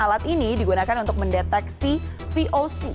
alat ini digunakan untuk mendeteksi voc